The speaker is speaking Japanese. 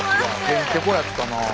へんてこやったなあ。